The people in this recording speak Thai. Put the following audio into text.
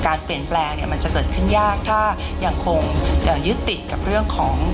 การเปลี่ยนแปลงเนี่ยมันจะเกิดขึ้นยากถ้ายังคงยึดติดกับเรื่องของ